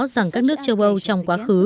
rằng các nước châu âu trong quá khứ